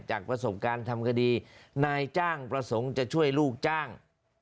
จากประสบการณ์ทำคดีนายจ้างประสงค์จะช่วยลูกจ้าง